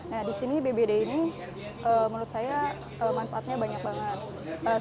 nah disini bbd ini menurut saya manfaatnya banyak banget